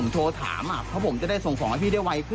ถ้าผมส่งของผิด